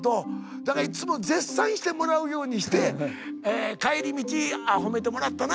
だからいっつも絶賛してもらうようにして帰り道「あ褒めてもらったな」。